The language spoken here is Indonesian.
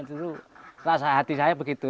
dulu rasa hati saya begitu